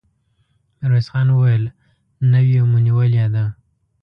ميرويس خان وويل: نوې مو نيولې ده!